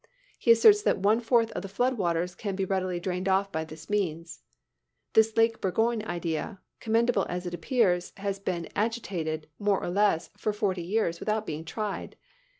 He asserts that one fourth of the flood waters can be readily drained off by this means. This Lake Borgne idea, commendable as it appears, has been agitated, more or less, for forty years, without being tried.